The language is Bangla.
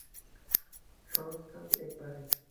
সহজ কাজ একেবারে।